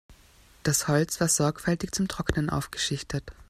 Das Holz war sorgfältig zum Trocknen aufgeschichtet.